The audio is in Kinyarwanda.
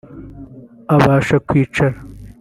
Abasha kwicara